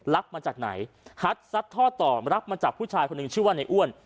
มาจากไหนฮัดซัดท่อต่อรับมาจากผู้ชายคนหนึ่งชื่อว่าในอ้วน